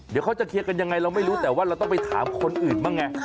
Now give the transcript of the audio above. เดี๋ยวเขาจะเคลียร์กันยังไงเราไม่รู้แต่ว่าเราต้องไปถามคนอื่นบ้างไง